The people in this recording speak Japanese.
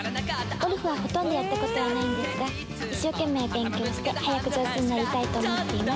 「ゴルフはほとんどやったことはないですが一生懸命勉強して早く上手になりたいと思ってます